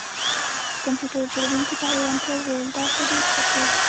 د کمپیوټر جوړونکي په حیرانتیا وویل دا خو ډیر ښه شو